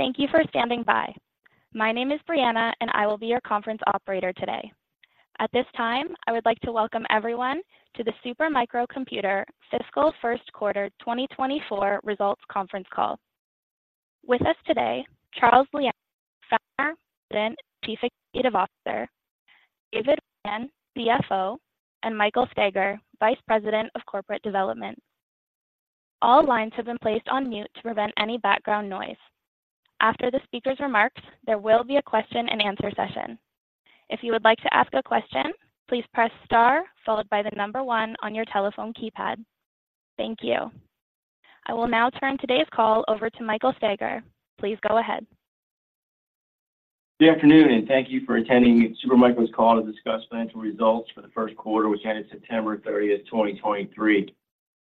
Thank you for standing by. My name is Brianna, and I will be your conference operator today. At this time, I would like to welcome everyone to the Super Micro Computer Fiscal Q1 2024 Results Conference Call. With us today, Charles Liang, Founder, President, and Chief Executive Officer, David Weigand, CFO, and Michael Staiger, Vice President of Corporate Development. All lines have been placed on mute to prevent any background noise. After the speaker's remarks, there will be a question and answer session. If you would like to ask a question, please press Star followed by the number one on your telephone keypad. Thank you. I will now turn today's call over to Michael Staiger. Please go ahea. Good afternoon, and thank you for attending Super Micro's call to discuss financial results for the Q1, which ended September 30, 2023.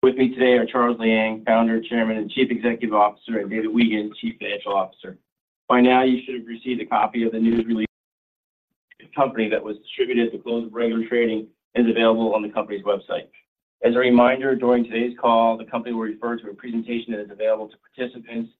With me today are Charles Liang, Founder, Chairman, and Chief Executive Officer, and David Weigand, Chief Financial Officer. By now, you should have received a copy of the news release that was distributed at the close of regular trading and is available on the company's website. As a reminder, during today's call, the company will refer to a presentation that is available to participants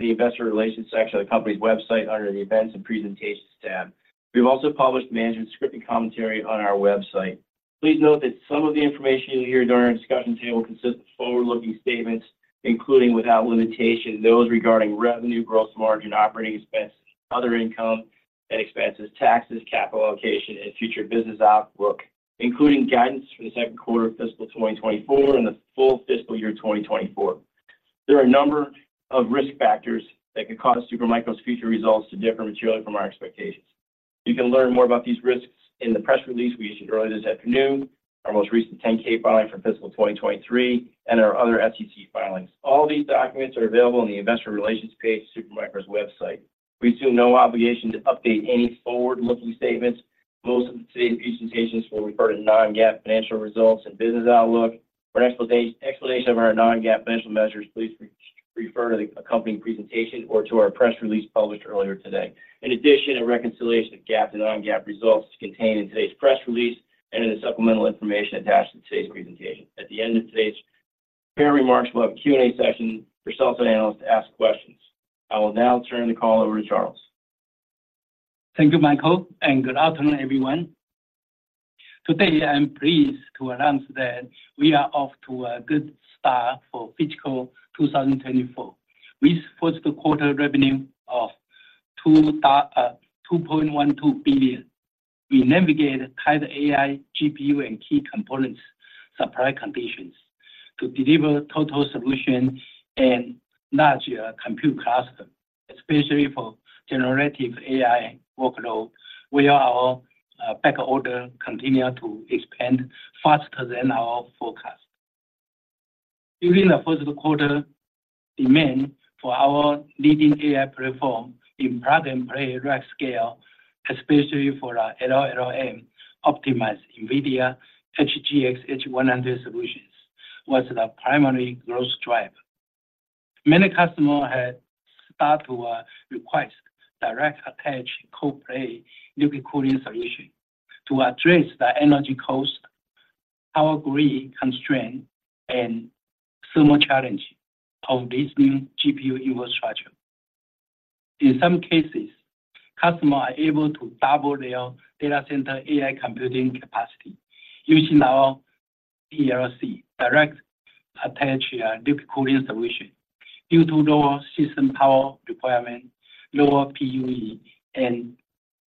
in the investor relations section of the company's website under the Events and Presentations tab. We've also published management's script and commentary on our website. Please note that some of the information you'll hear during our discussion today will consist of forward-looking statements, including without limitation, those regarding revenue, gross margin, operating expenses, other income and expenses, taxes, capital allocation, and future business outlook, including guidance for the Q2 of fiscal 2024 and the full fiscal year 2024. There are a number of risk factors that could cause Supermicro's future results to differ materially from our expectations. You can learn more about these risks in the press release we issued earlier this afternoon, our most recent 10-K filing for fiscal 2023, and our other SEC filings. All these documents are available on the investor relations page, Supermicro's website. We assume no obligation to update any forward-looking statements. Most of today's presentations will refer to non-GAAP financial results and business outlook. For an explanation of our non-GAAP financial measures, please refer to the accompanying presentation or to our press release published earlier today. In addition, a reconciliation of GAAP to non-GAAP results is contained in today's press release and in the supplemental information attached to today's presentation. At the end of today's prepared remarks, we'll have a Q&A session for sales and analysts to ask questions. I will now turn the call over to Charles. Thank you, Michael, and good afternoon, everyone. Today, I'm pleased to announce that we are off to a good start for fiscal 2024 with Q1 revenue of $2.12 billion. We navigate tight AI, GPU, and key components supply conditions to deliver total solution and large compute cluster, especially for generative AI workload, where our back order continue to expand faster than our forecast. During the Q1, demand for our leading AI platform in plug and play rack scale, especially for our LLM optimized NVIDIA HGX H100 solutions, was the primary growth driver. Many customers had start to request direct attach cold plate liquid cooling solution to address the energy cost, power grid constraint, and thermal challenge of this new GPU infrastructure. In some cases, customers are able to double their data center AI computing capacity using our DLC direct attach liquid cooling solution due to lower system power requirement, lower PUE,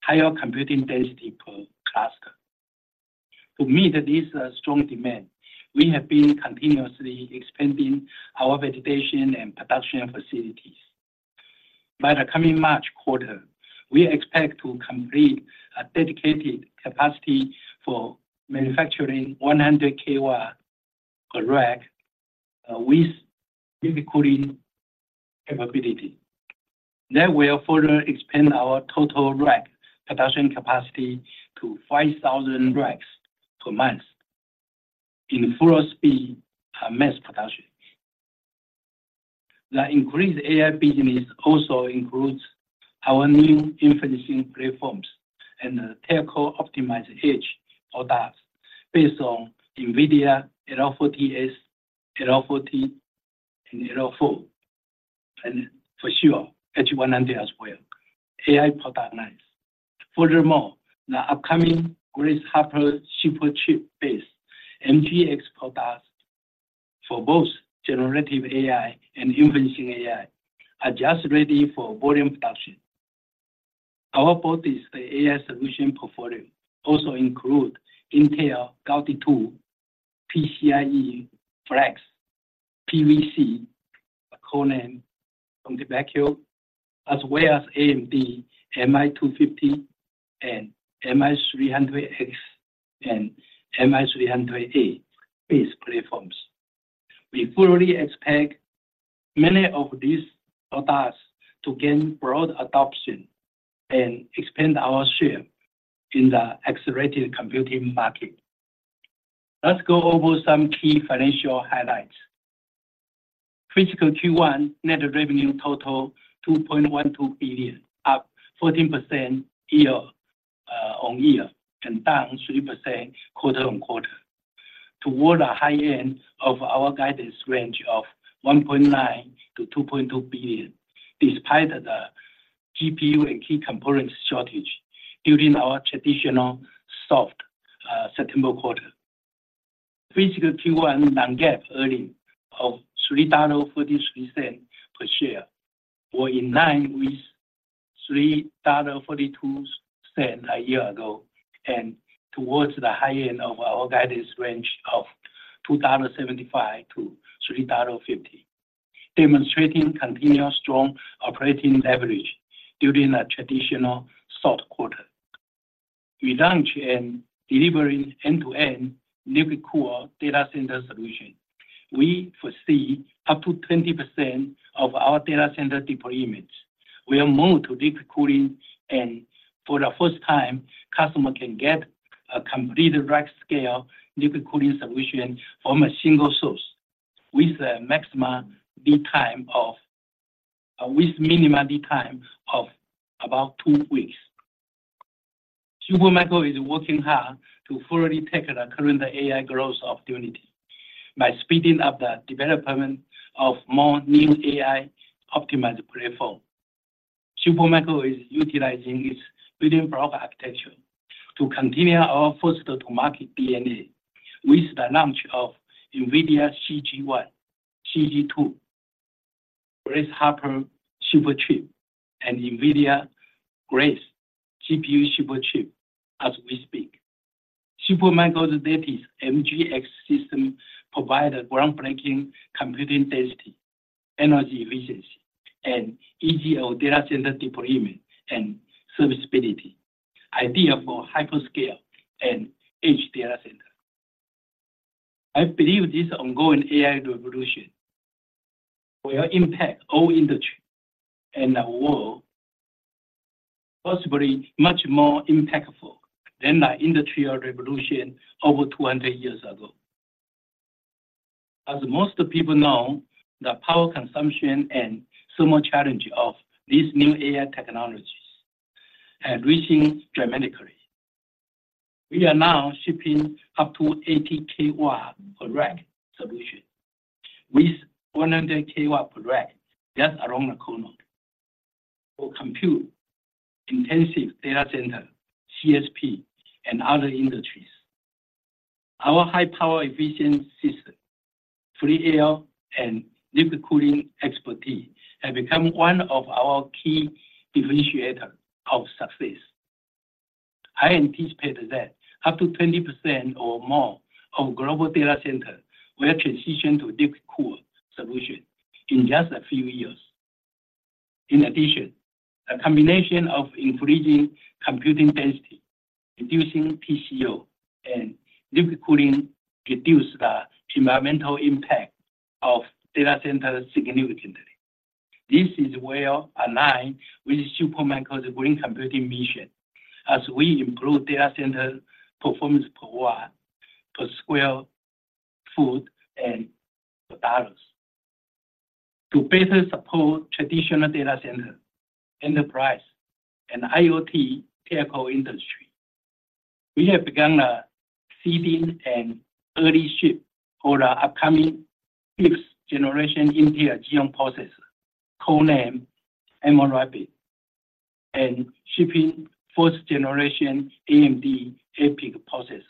and higher computing density per cluster. To meet this strong demand, we have been continuously expanding our fabrication and production facilities. By the coming March quarter, we expect to complete a dedicated capacity for manufacturing 100 kW per rack with liquid cooling capability. That will further expand our total rack production capacity to 5,000 racks per month in full speed mass production. The increased AI business also includes our new inferencing platforms and telco optimized edge products based on NVIDIA L40S, L40, and L4, and for sure, H100 as well, AI product lines. Furthermore, the upcoming Grace Hopper Superchip-based MGX products for both generative AI and inferencing AI are just ready for volume production. Our broadest AI solution portfolio also include Intel Gaudi 2, PCIe Flex, Ponte Vecchio, codename Ponte Vecchio, as well as AMD MI250 and MI300X and MI300A-based platforms. We fully expect many of these products to gain broad adoption and expand our share in the accelerated computing market. Let's go over some key financial highlights. Fiscal Q1 net revenue total $2.12 billion, up 14% year-over-year and down 3% quarter-over-quarter. Toward the high end of our guidance range of $1.9 billion-$2.2 billion, despite the GPU and key components shortage during our traditional soft September quarter. Physical Q1 non-GAAP earnings of $3.43 per share were in line with $3.42 a year ago, and towards the high end of our guidance range of $2.75-$3.50, demonstrating continuous strong operating leverage during a traditional soft quarter. We launched and delivering end-to-end liquid-cooled data center solution. We foresee up to 20% of our data center deployments will move to liquid cooling, and for the first time, customer can get a complete rack-scale liquid cooling solution from a single source, with minimum lead time of about two weeks. Supermicro is working hard to fully take the current AI growth opportunity by speeding up the development of more new AI-optimized platform. Supermicro is utilizing its building block architecture to continue our first-to-market DNA with the launch of NVIDIA CG1, CG2, Grace Hopper Superchip, and NVIDIA Grace CPU Superchip, as we speak. Supermicro's latest MGX system provide a groundbreaking computing density, energy efficiency, and ease of data center deployment and serviceability, ideal for hyperscale and edge data center. I believe this ongoing AI revolution will impact all industry and the world, possibly much more impactful than the industrial revolution over 200 years ago. As most people know, the power consumption and thermal challenge of these new AI technologies are rising dramatically. We are now shipping up to 80 kW per rack solution, with 100 kW per rack just around the corner. For compute-intensive data center, CSP, and other industries, our high power efficient system, free air, and liquid cooling expertise have become one of our key differentiator of success. I anticipate that up to 20% or more of global data center will transition to liquid cool solution in just a few years. In addition, a combination of increasing computing density, reducing PCO, and liquid cooling reduce the environmental impact of data centers significantly. This is well aligned with Supermicro's green computing mission, as we improve data center performance per watt, per square foot, and per dollars. To better support traditional data center, enterprise, and IoT telco industry, we have begun a seeding and early ship for the upcoming 5th generation Intel Xeon processor, codename Emerald Rapids, and shipping 1st generation AMD EPYC processor,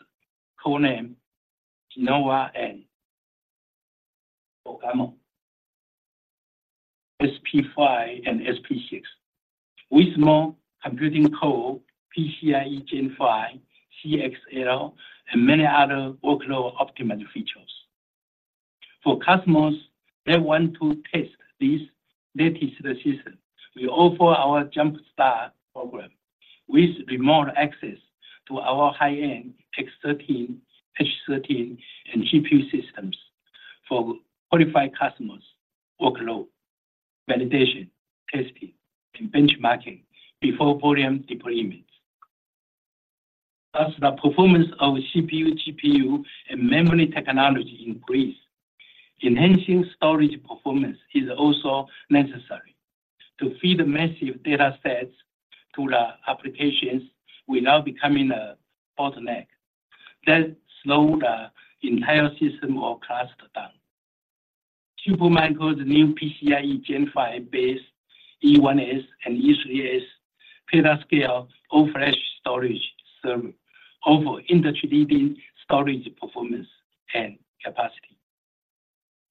codename Genoa-N, Bergamo, SP5, and SP6. With more computing core, PCIe Gen 5, CXL, and many other workload optimized features. For customers that want to test these latest systems, we offer our JumpStart program with remote access to our high-end X13, H13, and GPU systems for qualified customers, workload, validation, testing, and benchmarking before volume deployment. As the performance of CPU, GPU, and memory technology increase, enhancing storage performance is also necessary to feed massive data sets to the applications without becoming a bottleneck that slow the entire system or cluster down. Supermicro's new PCIe Gen 5-based E1.S and E3.S petascale all-flash storage server offer industry-leading storage performance and capacity.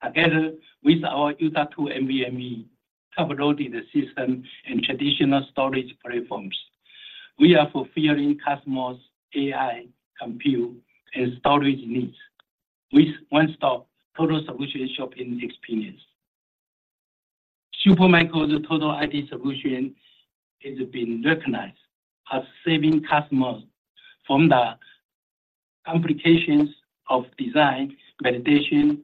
Together with our U.2 NVMe card loading system and traditional storage platforms, we are fulfilling customers' AI, compute, and storage needs with one-stop total solution shopping experience. Supermicro's total IT solution has been recognized as saving customers from the complications of design, validation,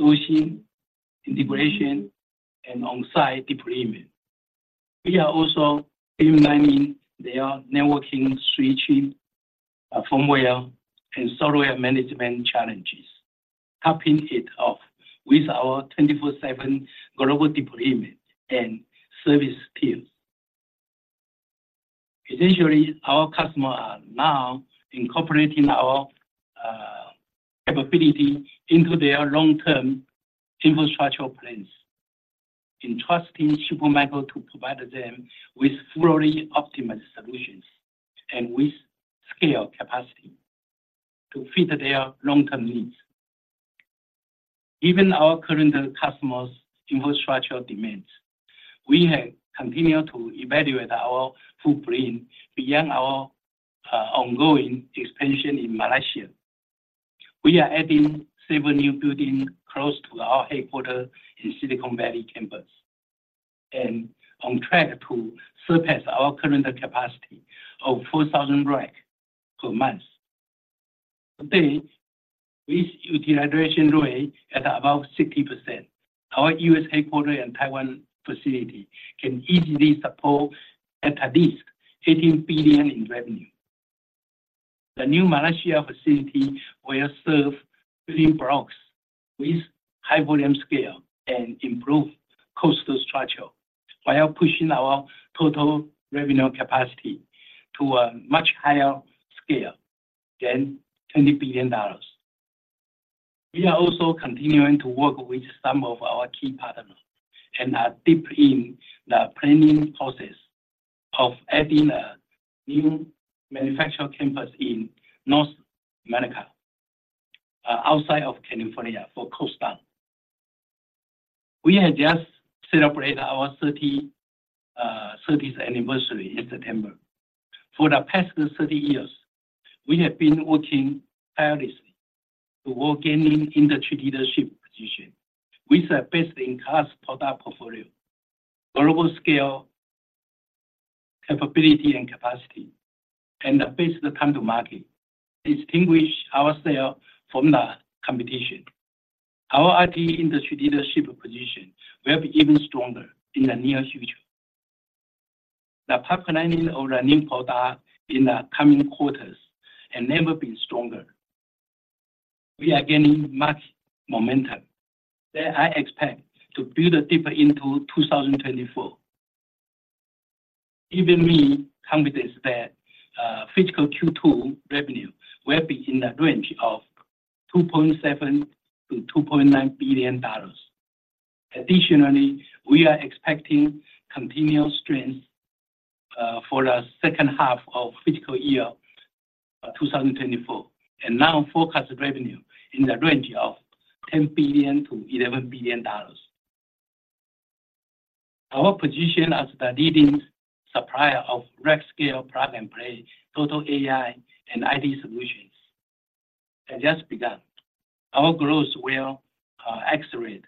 sourcing, integration, and on-site deployment. We are also streamlining their networking, switching-... firmware and software management challenges, topping it off with our 24/7 global deployment and service teams. Essentially, our customers are now incorporating our capability into their long-term infrastructure plans, entrusting Supermicro to provide them with fully optimized solutions and with scale capacity to fit their long-term needs. Given our current customers' infrastructure demands, we have continued to evaluate our footprint beyond our ongoing expansion in Malaysia. We are adding several new buildings close to our headquarters in Silicon Valley campus, and on track to surpass our current capacity of 4,000 racks per month. Today, with utilization rate at about 60%, our U.S. headquarters and Taiwan facility can easily support at least $18 billion in revenue. The new Malaysia facility will serve building blocks with high volume scale and improved cost structure, while pushing our total revenue capacity to a much higher scale than $20 billion. We are also continuing to work with some of our key partners and are deep in the planning process of adding a new manufacturing campus in North America, outside of California, for cost down. We had just celebrated our 30th anniversary in September. For the past 30 years, we have been working tirelessly toward gaining industry leadership position with a best-in-class product portfolio, global scale, capability, and capacity, and the best time to market, distinguish ourself from the competition. Our IT industry leadership position will be even stronger in the near future. The pipeline of running product in the coming quarters have never been stronger. We are gaining much momentum that I expect to build deeper into 2024. Give me confidence that fiscal Q2 revenue will be in the range of $2.7 billion-$2.9 billion. Additionally, we are expecting continued strength for the second half of fiscal year 2024, and now forecast revenue in the range of $10 billion-$11 billion. Our position as the leading supplier of rack scale plug and play total AI and IT solutions has just begun. Our growth will accelerate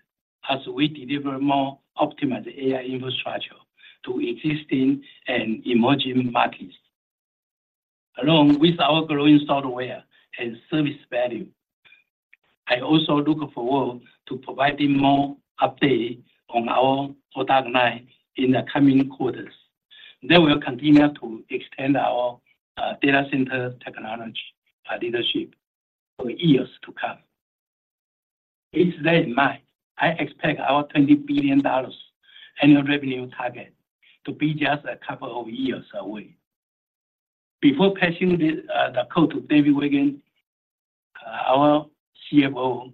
as we deliver more optimized AI infrastructure to existing and emerging markets, along with our growing software and service value. I also look forward to providing more update on our product line in the coming quarters. They will continue to extend our data center technology leadership for years to come. With that in mind, I expect our $20 billion annual revenue target to be just a couple of years away. Before passing the call to David Weigand, our CFO,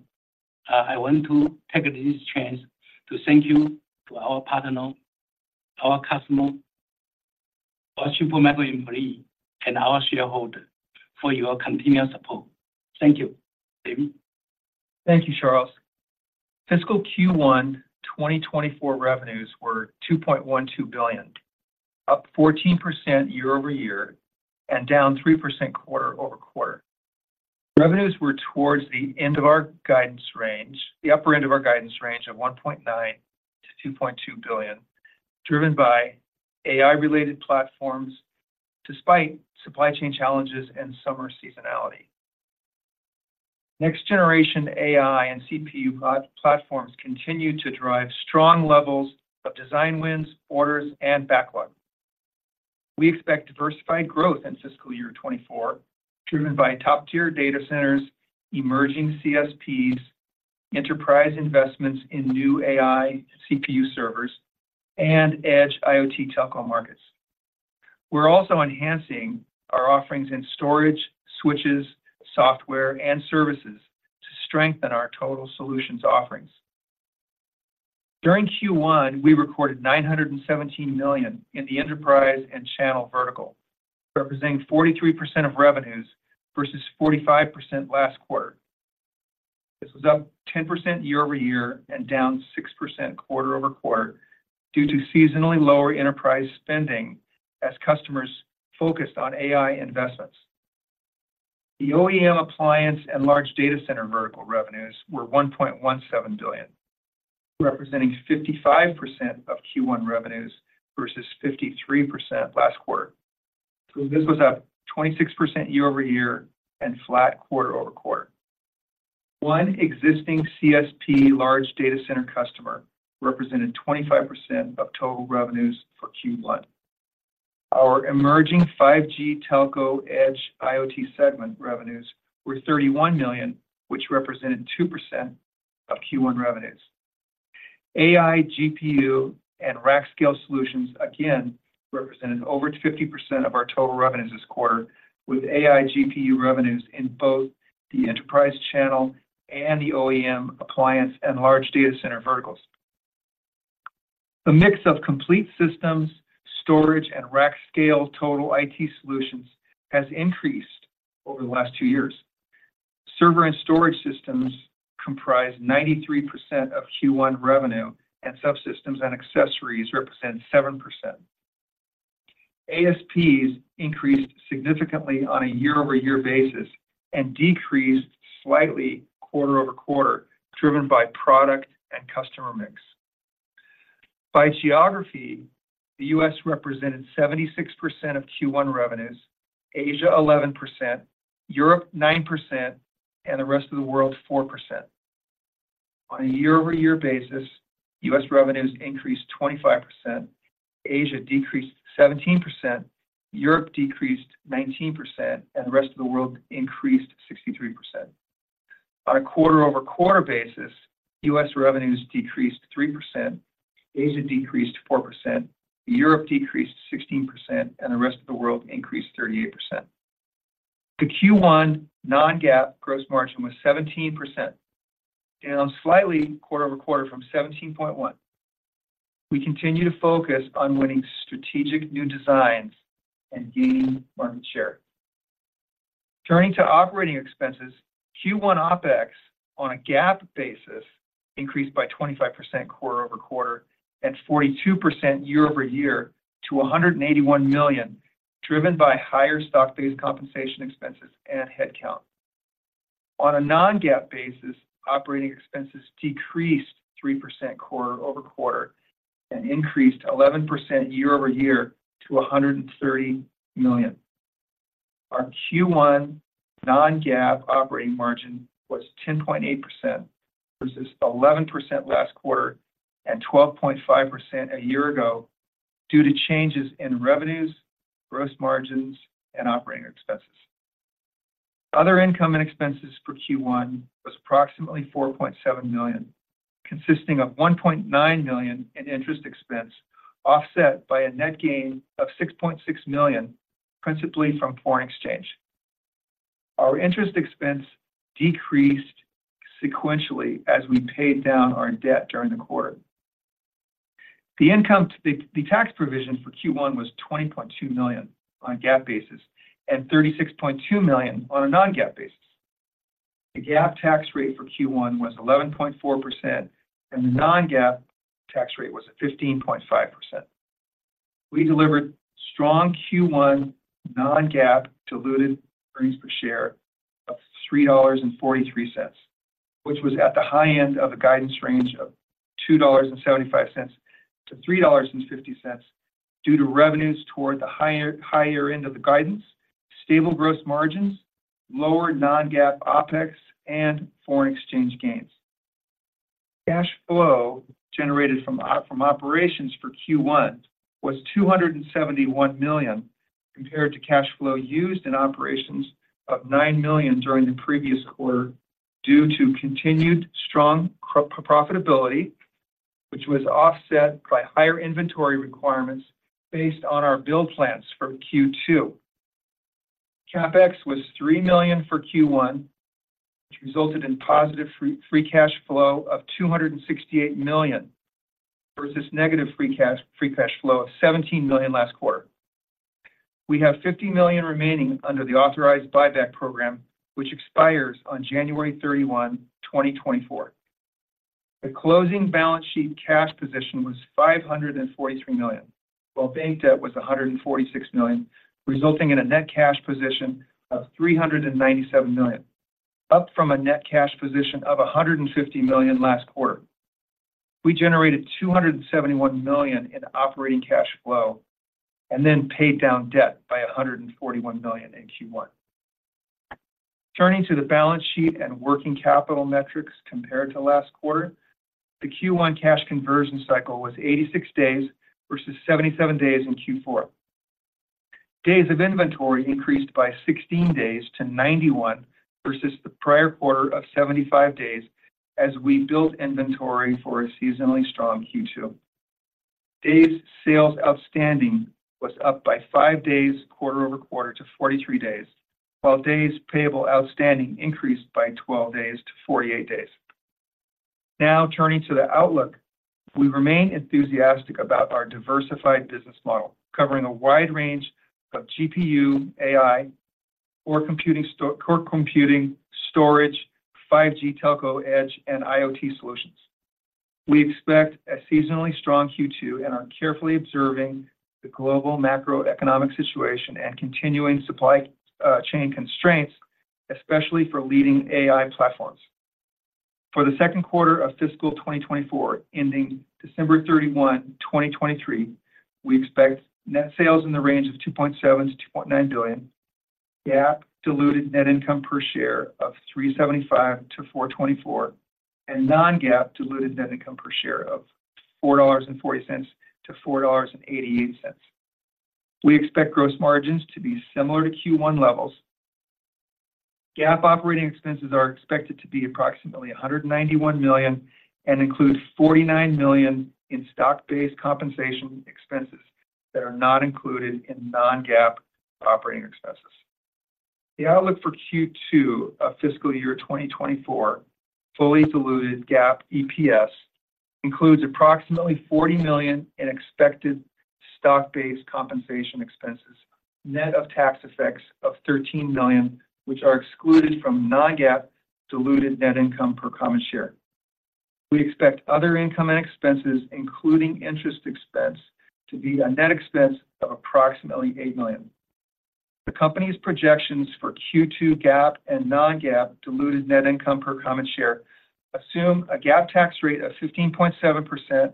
I want to take this chance to thank you to our partner, our customer, our Supermicro employee, and our shareholder for your continued support. Thank you. David? Thank you, Charles. Fiscal Q1 2024 revenues were $2.12 billion, up 14% year-over-year and down 3% quarter-over-quarter. Revenues were towards the end of our guidance range, the upper end of our guidance range of $1.9 billion-$2.2 billion, driven by AI-related platforms despite supply chain challenges and summer seasonality. Next generation AI and CPU platforms continue to drive strong levels of design wins, orders, and backlog. We expect diversified growth in fiscal year 2024, driven by top-tier data centers, emerging CSPs, enterprise investments in new AI CPU servers, and Edge IoT telco markets. We're also enhancing our offerings in storage, switches, software, and services to strengthen our total solutions offerings. During Q1, we recorded $917 million in the enterprise and channel vertical, representing 43% of revenues versus 45% last quarter. This was up 10% year-over-year and down 6% quarter-over-quarter due to seasonally lower enterprise spending as customers focused on AI investments. The OEM appliance and large data center vertical revenues were $1.17 billion, representing 55% of Q1 revenues versus 53% last quarter. So this was up 26% year-over-year and flat quarter-over-quarter. One existing CSP large data center customer represented 25% of total revenues for Q1. Our emerging 5G telco edge IoT segment revenues were $31 million, which represented 2% of Q1 revenues. AI, GPU, and rack scale solutions again represented over 50% of our total revenues this quarter, with AI GPU revenues in both the enterprise channel and the OEM appliance and large data center verticals. The mix of complete systems, storage, and rack scale total IT solutions has increased over the last two years. Server and storage systems comprise 93% of Q1 revenue, and subsystems and accessories represent 7%. ASPs increased significantly on a year-over-year basis and decreased slightly quarter over quarter, driven by product and customer mix. By geography, the U.S. represented 76% of Q1 revenues, Asia 11%, Europe 9%, and the rest of the world 4%. On a year-over-year basis, U.S. revenues increased 25%, Asia decreased 17%, Europe decreased 19%, and the rest of the world increased 63%. On a quarter-over-quarter basis, U.S. revenues decreased 3%, Asia decreased 4%, Europe decreased 16%, and the rest of the world increased 38%. The Q1 non-GAAP gross margin was 17%, down slightly quarter over quarter from 17.1. We continue to focus on winning strategic new designs and gain market share. Turning to operating expenses, Q1 OpEx on a GAAP basis increased by 25% quarter-over-quarter and 42% year-over-year to $181 million, driven by higher stock-based compensation expenses and headcount. On a non-GAAP basis, operating expenses decreased 3% quarter-over-quarter and increased 11% year-over-year to $130 million. Our Q1 non-GAAP operating margin was 10.8% versus 11% last quarter and 12.5% a year ago, due to changes in revenues, gross margins, and operating expenses. Other income and expenses for Q1 was approximately $4.7 million, consisting of $1.9 million in interest expense, offset by a net gain of $6.6 million, principally from foreign exchange. Our interest expense decreased sequentially as we paid down our debt during the quarter. The income tax provision for Q1 was $20.2 million on a GAAP basis and $36.2 million on a non-GAAP basis. The GAAP tax rate for Q1 was 11.4%, and the non-GAAP tax rate was at 15.5%. We delivered strong Q1 non-GAAP diluted earnings per share of $3.43, which was at the high end of the guidance range of $2.75-$3.50, due to revenues toward the higher end of the guidance, stable gross margins, lower non-GAAP OpEx, and foreign exchange gains. Cash flow generated from operations for Q1 was $271 million, compared to cash flow used in operations of $9 million during the previous quarter, due to continued strong profitability, which was offset by higher inventory requirements based on our build plans for Q2. CapEx was $3 million for Q1, which resulted in positive free cash flow of $268 million, versus negative free cash flow of $17 million last quarter. We have $50 million remaining under the authorized buyback program, which expires on January 31, 2024. The closing balance sheet cash position was $543 million, while bank debt was $146 million, resulting in a net cash position of $397 million, up from a net cash position of $150 million last quarter. We generated $271 million in operating cash flow and then paid down debt by $141 million in Q1. Turning to the balance sheet and working capital metrics compared to last quarter, the Q1 cash conversion cycle was 86 days, versus 77 days in Q4. Days of inventory increased by 16 days to 91, versus the prior quarter of 75 days, as we built inventory for a seasonally strong Q2. Days sales outstanding was up by five days quarter-over-quarter to 43 days, while days payable outstanding increased by 12 days to 48 days. Now, turning to the outlook, we remain enthusiastic about our diversified business model, covering a wide range of GPU, AI or core computing, storage, 5G telco edge, and IoT solutions. We expect a seasonally strong Q2 and are carefully observing the global macroeconomic situation and continuing supply chain constraints, especially for leading AI platforms. For the Q2 of fiscal 2024, ending December 31, 2023, we expect net sales in the range of $2.7 billion-$2.9 billion, GAAP diluted net income per share of $3.75-$4.24, and non-GAAP diluted net income per share of $4.40-$4.88. We expect gross margins to be similar to Q1 levels. GAAP operating expenses are expected to be approximately $191 million, and include $49 million in stock-based compensation expenses that are not included in non-GAAP operating expenses. The outlook for Q2 of fiscal year 2024 fully diluted GAAP EPS includes approximately $40 million in expected stock-based compensation expenses, net of tax effects of $13 million, which are excluded from non-GAAP diluted net income per common share. We expect other income and expenses, including interest expense, to be a net expense of approximately $8 million. The company's projections for Q2 GAAP and non-GAAP diluted net income per common share assume a GAAP tax rate of 15.7%,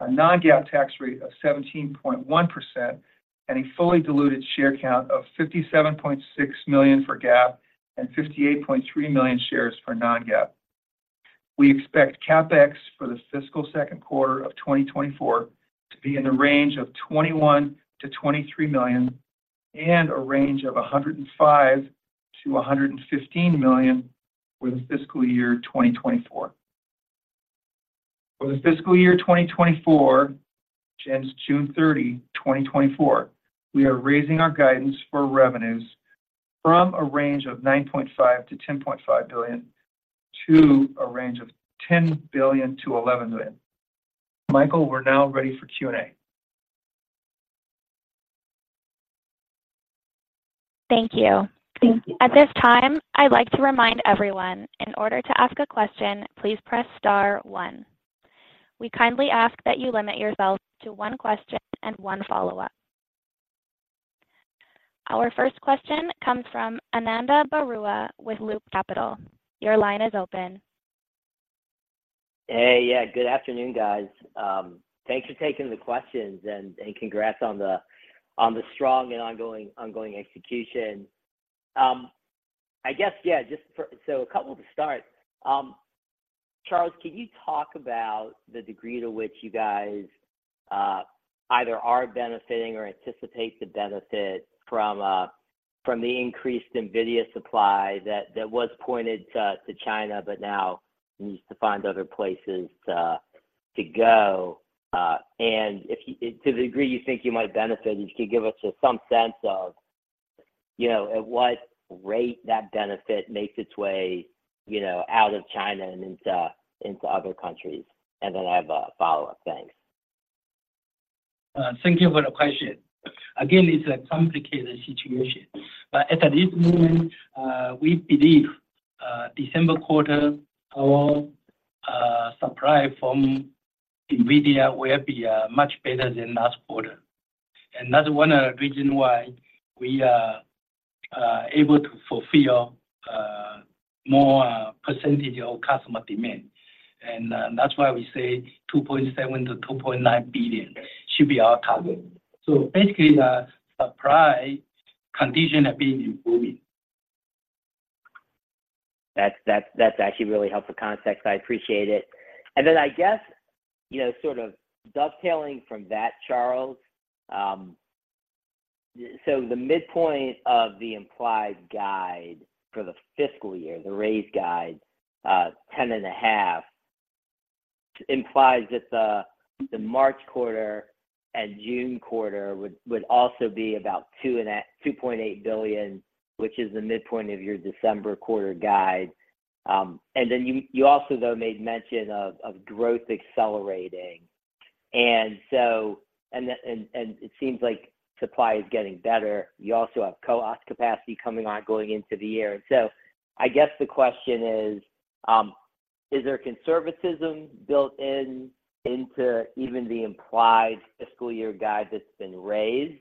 a non-GAAP tax rate of 17.1%, and a fully diluted share count of 57.6 million for GAAP and 58.3 million shares for non-GAAP. We expect CapEx for the fiscal Q2 of 2024 to be in the range of $21-23 million, and a range of $105-115 million for the fiscal year 2024. For the fiscal year 2024, which ends June 30, 2024, we are raising our guidance for revenues from a range of $9.5-10.5 billion, to a range of $10-11 billion. Michael, we're now ready for Q&A. Thank you. At this time, I'd like to remind everyone, in order to ask a question, please press star one. We kindly ask that you limit yourself to one question and one follow-up. Our first question comes from Ananda Baruah with Loop Capital. Your line is open. Hey, yeah, good afternoon, guys. Thanks for taking the questions and congrats on the strong and ongoing execution. I guess, yeah, just for—so a couple to start. Charles, can you talk about the degree to which you guys either are benefiting or anticipate to benefit from the increased NVIDIA supply that was pointed to China, but now needs to find other places to go? And if you to the degree you think you might benefit, if you could give us some sense of, you know, at what rate that benefit makes its way, you know, out of China and into other countries. And then I have a follow-up. Thanks. Thank you for the question. Again, it's a complicated situation, but at this moment, we believe December quarter, our supply from NVIDIA will be much better than last quarter. And that's one of the reason why we are able to fulfill more percentage of customer demand. And that's why we say $2.7 billion-$2.9 billion should be our target. So basically, the supply condition are being improving. That's actually really helpful context. I appreciate it. And then I guess, you know, sort of dovetailing from that, Charles, so the midpoint of the implied guide for the fiscal year, the raised guide, $10.5 billion, implies that the March quarter and June quarter would also be about $2.8 billion, which is the midpoint of your December quarter guide. And then you also, though, made mention of growth accelerating. And so, and then, and it seems like supply is getting better. You also have co-op capacity coming on going into the year. So I guess the question is, is there conservatism built into even the implied fiscal year guide that's been raised,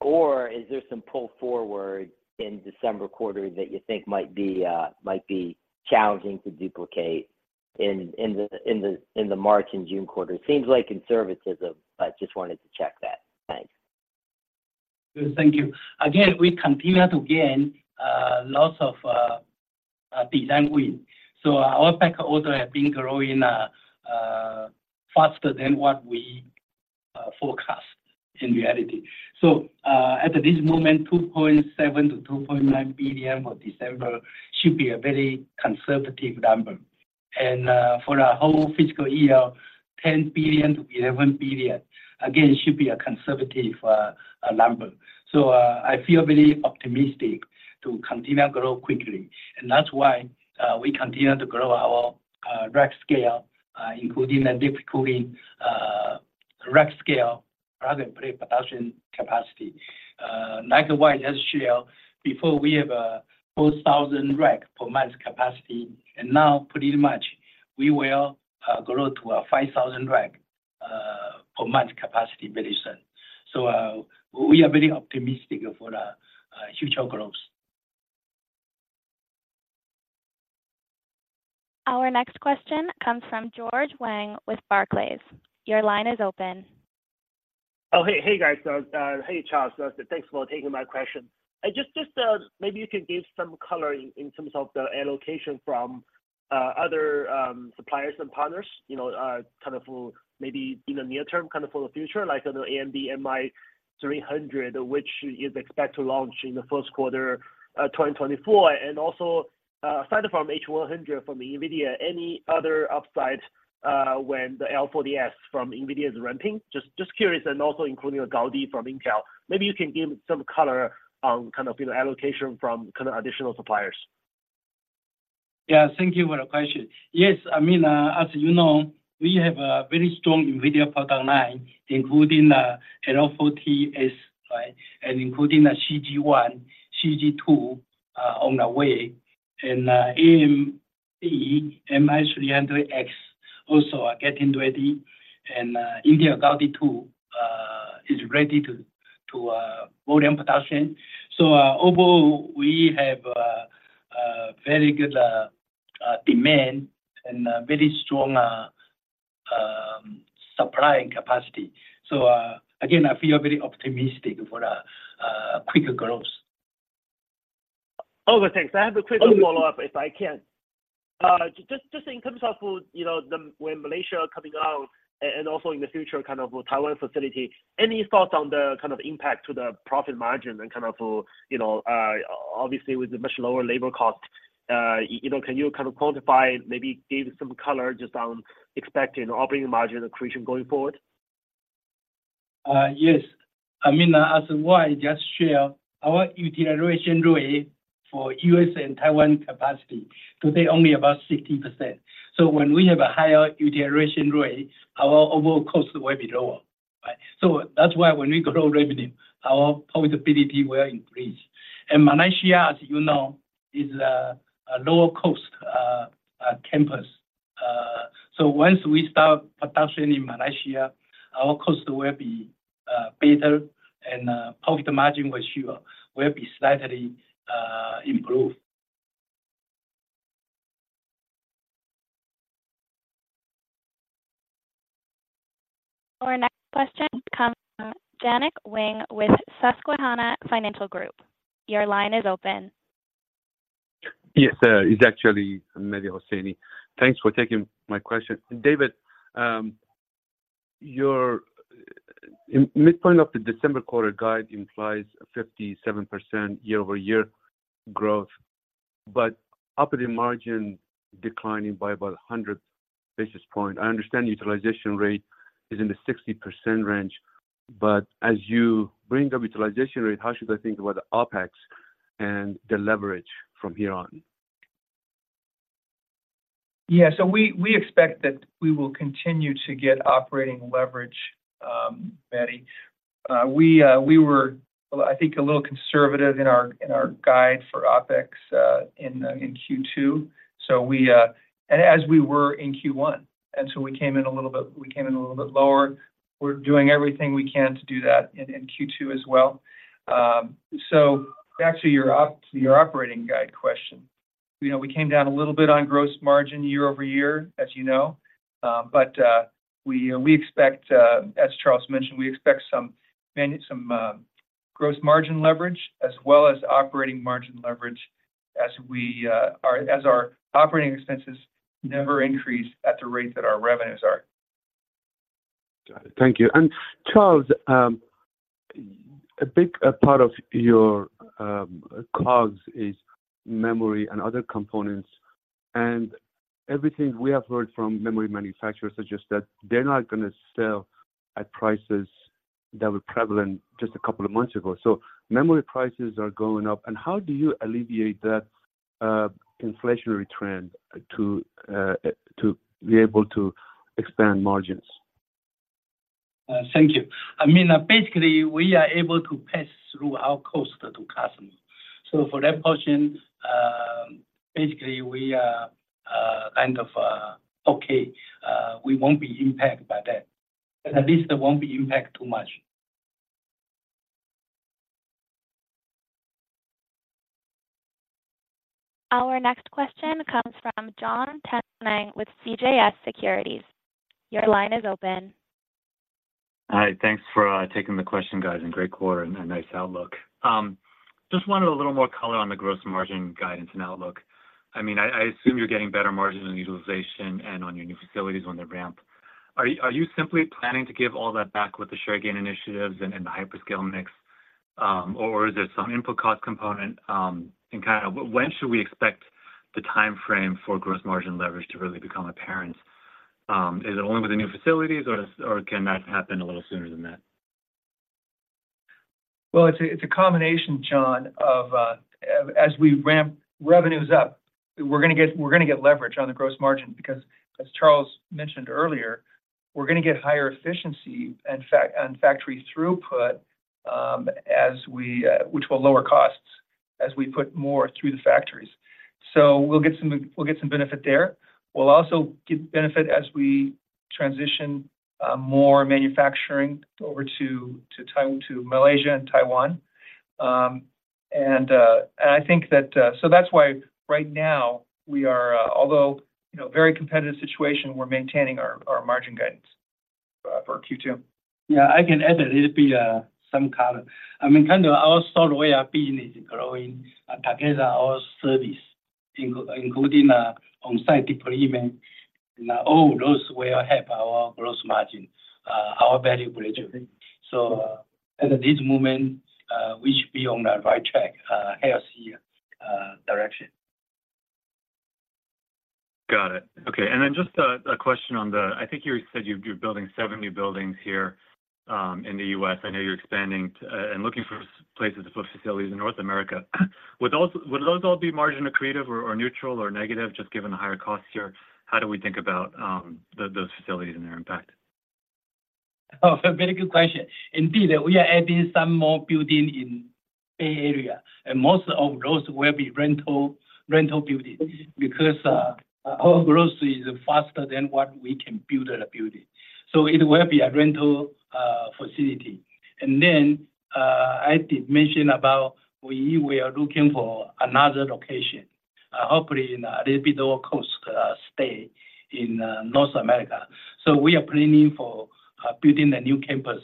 or is there some pull forward in December quarter that you think might be challenging to duplicate in the March and June quarter? It seems like conservatism, but just wanted to check that. Thanks. Good, thank you. Again, we continue to gain lots of design wins. So our order have been growing faster than what we forecast in reality. So at this moment, $2.7 billion-$2.9 billion for December should be a very conservative number. And for our whole fiscal year, $10 billion-$11 billion, again, should be a conservative number. So I feel very optimistic to continue to grow quickly, and that's why we continue to grow our rack scale, including DLC, rack scale rather than pre-production capacity. Like the wide HGX, before we have 4,000 rack per month capacity, and now pretty much we will grow to a 5,000 rack per month capacity mentioned. So we are very optimistic for the future growth. Our next question comes from George Wang with Barclays. Your line is open. Oh, hey, hey, guys. So, hey, Charles. So thanks for taking my question. I just maybe you could give some color in terms of the allocation from other suppliers and partners, you know, kind of maybe in the near term, kind of for the future, like, on the AMD MI300, which is expected to launch in the Q1, 2024, and also, aside from H100 from NVIDIA, any other upside, when the L40S from NVIDIA is ramping? Just curious and also including Gaudi from Intel. Maybe you can give some color on kind of, you know, allocation from kind of additional suppliers. Yeah, thank you for the question. Yes. I mean, as you know, we have a very strong NVIDIA product line, including L40S, right, and including the CG1, CG2 on the way, and AMD MI300X also are getting ready, and NVIDIA Gaudi 2 is ready to volume production. So overall, we have a very good demand and a very strong supplying capacity. So again, I feel very optimistic for the quicker growth. Okay, thanks. I have a quick follow-up, if I can. Just in terms of, you know, the when Malaysia coming out and also in the future, kind of Taiwan facility, any thoughts on the kind of impact to the profit margin and kind of, you know, obviously with the much lower labor cost, you know, can you kind of quantify, maybe give some color just on expected operating margin accretion going forward? Yes. I mean, as I just share, our utilization rate for U.S. and Taiwan capacity today only about 60%. So when we have a higher utilization rate, our overall cost will be lower, right? So that's why when we grow revenue, our profitability will increase. And Malaysia, as you know, is a lower cost campus. So once we start production in Malaysia, our cost will be better and profit margin for sure will be slightly improved. Our next question comes from Mehdi Hosseini with Susquehanna Financial Group. Your line is open. Yes, it's actually Mehdi Hosseini. Thanks for taking my question. David, your in midpoint of the December quarter guide implies 57% year-over-year growth, but operating margin declining by about 100 basis points. I understand utilization rate is in the 60% range, but as you bring the utilization rate, how should I think about the OpEx and the leverage from here on? Yeah. So we expect that we will continue to get operating leverage, Mehdi. We were, I think, a little conservative in our guide for OpEx in Q2. So, and as we were in Q1, and so we came in a little bit lower. We're doing everything we can to do that in Q2 as well. So back to your operating guide question, you know, we came down a little bit on gross margin year-over-year, as you know. But we expect, as Charles mentioned, we expect some gross margin leverage, as well as operating margin leverage, as our operating expenses never increase at the rate that our revenues are. Got it. Thank you. And Charles, a big part of your cost is memory and other components, and everything we have heard from memory manufacturers suggests that they're not going to sell at prices that were prevalent just a couple of months ago. So memory prices are going up, and how do you alleviate that inflationary trend to be able to expand margins? Thank you. I mean, basically, we are able to pass through our cost to customers. So for that portion, basically, we are kind of okay. We won't be impacted by that, and at least it won't be impact too much. Our next question comes from Jonathan Tanwanteng with CJS Securities. Your line is open. Hi, thanks for taking the question, guys, and great quarter and a nice outlook. Just wanted a little more color on the gross margin guidance and outlook. I mean, I assume you're getting better margins on utilization and on your new facilities on the ramp. Are you simply planning to give all that back with the share gain initiatives and the hyperscale mix, or is there some input cost component? And kind of when should we expect the timeframe for gross margin leverage to really become apparent? Is it only with the new facilities, or can that happen a little sooner than that? Well, it's a combination, John, of as we ramp revenues up, we're gonna get, we're gonna get leverage on the gross margin because as Charles mentioned earlier, we're gonna get higher efficiency and on factory throughput, as we, which will lower costs as we put more through the factories. So we'll get some, we'll get some benefit there. We'll also get benefit as we transition more manufacturing over to Taiwan, to Malaysia and Taiwan. And I think that, so that's why right now we are, although, you know, very competitive situation, we're maintaining our margin guidance for Q2. Yeah, I can add a little bit, some color. I mean, kind of our core way of business is growing together, our services including on-site deployment. And all those will help our gross margin, our value bridge. So at this moment, we should be on the right track, healthy direction. Got it. Okay, and then just a question on the, I think you said you're building seven new buildings here in the U.S. I know you're expanding and looking for places to put facilities in North America. Would those all be margin accretive, or neutral, or negative, just given the higher costs here? How do we think about those facilities and their impact? Oh, very good question. Indeed, we are adding some more building in Bay Area, and most of those will be rental, rental buildings because our growth is faster than what we can build a building. So it will be a rental facility. And then, I did mention about we are looking for another location, hopefully in a little bit lower cost state in North America. So we are planning for building a new campus.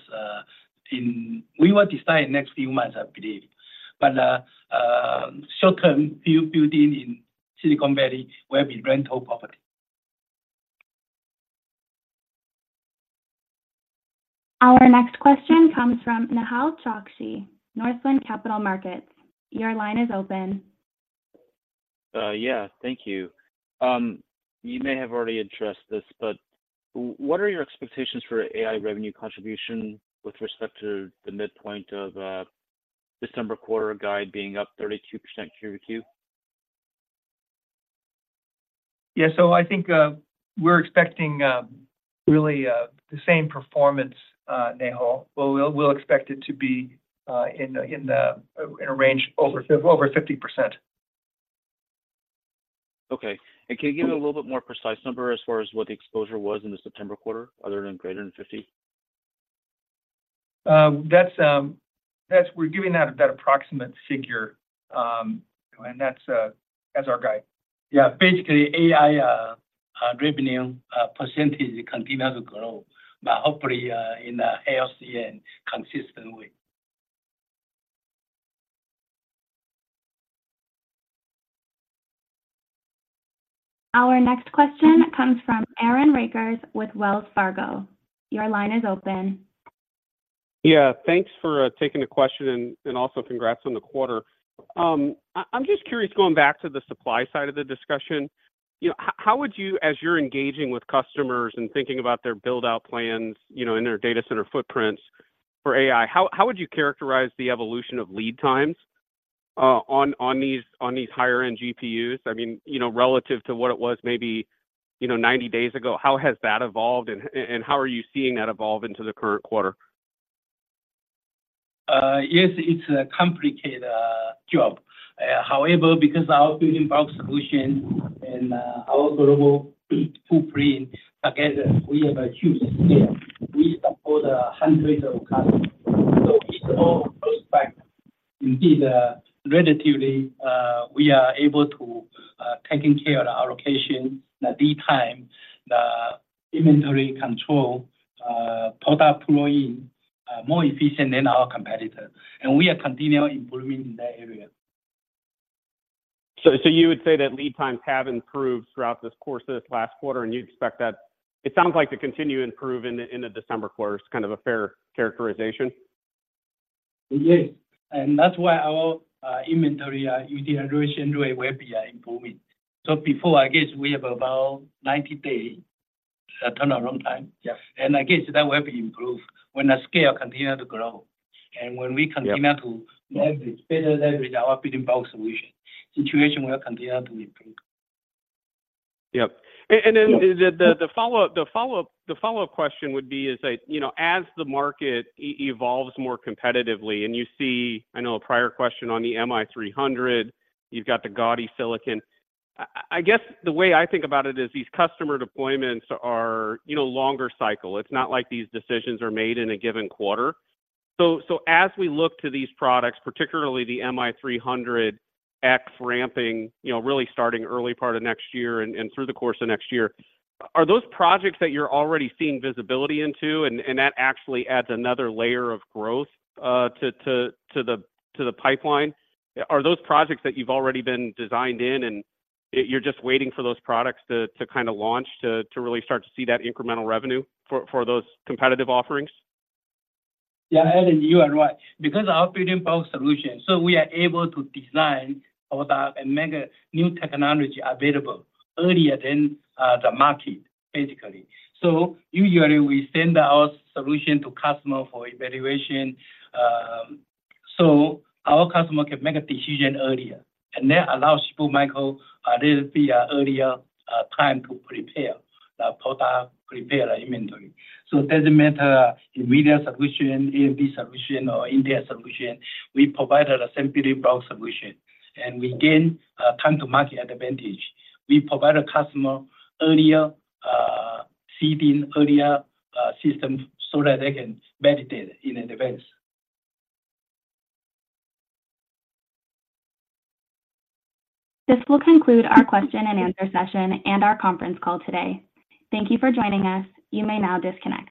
We will decide next few months, I believe. But short term, building in Silicon Valley will be rental property. Our next question comes from Nehal Chokshi, Northland Capital Markets. Your line is open. Yeah, thank you. You may have already addressed this, but what are your expectations for AI revenue contribution with respect to the midpoint of December quarter guide being up 32% Q over Q? Yeah. So I think we're expecting really the same performance, Nehal. We'll expect it to be in a range over 50, over 50%. Okay. Can you give me a little bit more precise number as far as what the exposure was in the September quarter, other than greater than 50? That's-- We're giving that approximate figure, and that's our guide. Yeah. Basically, AI revenue percentage continues to grow, but hopefully in a healthy and consistent way. Our next question comes from Aaron Rakers with Wells Fargo. Your line is open. Yeah. Thanks for taking the question, and also congrats on the quarter. I'm just curious, going back to the supply side of the discussion, you know, how would you, as you're engaging with customers and thinking about their build-out plans, you know, in their data center footprints for AI, how would you characterize the evolution of lead times on these higher-end GPUs? I mean, you know, relative to what it was maybe 90 days ago, how has that evolved, and how are you seeing that evolve into the current quarter? Yes, it's a complicated job. However, because our Building Block Solution and our global footprint, together, we have a huge scale. We support hundreds of customers, so it's all those factors. Indeed, relatively, we are able to taking care of the allocation, the lead time, the inventory control, product deployment, more efficient than our competitor. And we are continually improving in that area. So, you would say that lead times have improved throughout this course of this last quarter, and you'd expect that... It sounds like to continue to improve in the December quarter. It's kind of a fair characterization? Yes, and that's why our inventory utilization rate will be improving. So before, I guess we have about 90-day turnaround time. Yes. I guess that will be improved when the scale continue to grow. Yeah. When we continue to leverage, better leverage our building block solution, situation will continue to improve. Yep. And then the follow-up question would be, is that, you know, as the market evolves more competitively and you see, I know a prior question on the MI300, you've got the Gaudi silicon. I guess the way I think about it is these customer deployments are, you know, longer cycle. It's not like these decisions are made in a given quarter. So as we look to these products, particularly the MI300X ramping, you know, really starting early part of next year and through the course of next year, are those projects that you're already seeing visibility into and that actually adds another layer of growth to the pipeline? Are those projects that you've already been designed in and you're just waiting for those products to kind of launch, to really start to see that incremental revenue for those competitive offerings? Yeah, Aaron, you are right. Because our Building Block Solution, so we are able to design all the and make a new technology available earlier than, uh, the market, basically. So usually we send our solution to customer for evaluation, so our customer can make a decision earlier, and that allows Supermicro a little bit earlier time to prepare the product, prepare the inventory. So it doesn't matter immediate solution, AMD solution, or Intel solution, we provide a simple block solution, and we gain a time-to-market advantage. We provide a customer earlier seeding, earlier systems so that they can benefit in advance. This will conclude our question-and-answer session and our conference call today. Thank you for joining us. You may now disconnect.